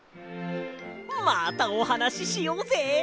またおはなししようぜ！